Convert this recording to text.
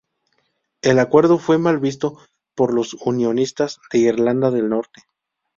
El acuerdo fue mal visto por los unionistas de Irlanda del Norte.